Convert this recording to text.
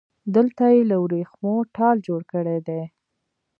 دلته يې له وريښمو ټال جوړ کړی دی